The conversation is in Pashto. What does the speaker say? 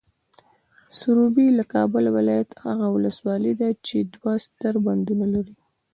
سروبي، د کابل ولایت هغه ولسوالۍ ده چې دوه ستر بندونه لري.